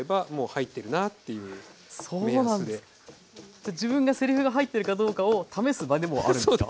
じゃ自分がせりふが入ってるかどうかを試す場でもあるんですか。